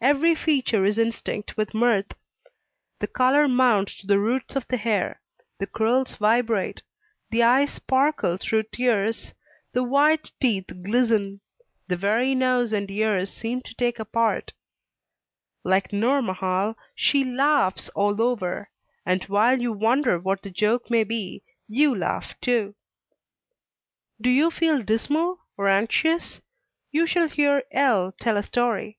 Every feature is instinct with mirth; the color mounts to the roots of the hair; the curls vibrate; the eyes sparkle through tears; the white teeth glisten; the very nose and ears seem to take a part; like Nourmahal, she "laughs all over," and while you wonder what the joke may be, you are laughing too. Do you feel dismal, or anxious? You should hear L. tell a story.